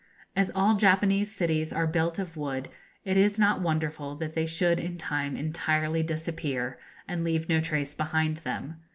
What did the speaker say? As all Japanese cities are built of wood, it is not wonderful that they should in time entirely disappear, and leave no trace behind them.